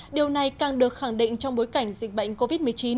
điều này càng được khẳng định trong bối cảnh dịch bệnh covid một mươi chín